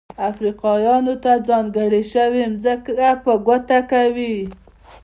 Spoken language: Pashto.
افریقایانو ته ځانګړې شوې ځمکه په ګوته کوي.